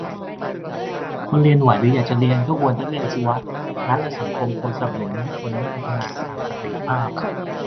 คนเรียนไหวและอยากจะเรียน ก็ควรได้เรียนสิวะ รัฐและสังคมควรสนับสนุนให้คนได้พัฒนาตามศักยภาพ